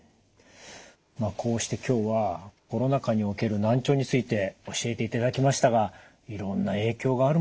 まあこうして今日はコロナ禍における難聴について教えていただきましたがいろんな影響があるもんですね。